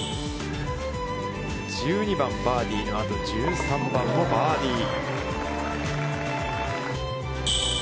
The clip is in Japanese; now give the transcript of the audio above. １２番バーディーの後、１３番もバーディー。